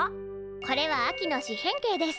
これは秋の四辺形です。